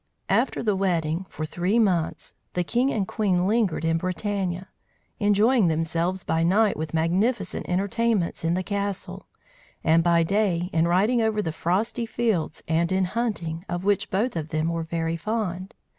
After the wedding, for three months, the king and queen lingered in Bretagne; enjoying themselves by night with magnificent entertainments in the castle, and by day in riding over the frosty fields and in hunting, of which both of them were very fond.